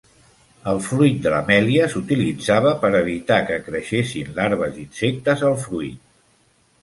El fruit de la mèlia s'utilitzava per evitar que creixessin larves d'insectes al fruit.